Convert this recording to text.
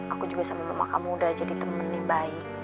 aku juga sama mama muda jadi temen yang baik